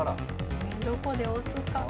どこで押すか。